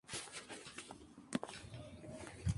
El nombre del premio hace referencia a Mariana Pineda.